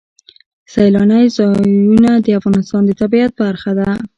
سیلانی ځایونه د افغانستان د طبیعت برخه ده.